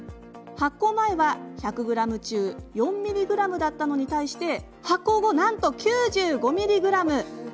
発酵前は１００ｇ中４ｍｇだったのに対して発酵後は、なんと９５ｍｇに。